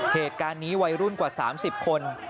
เหตุการณ์นี้วัยรุ่นกว่า๓๐คน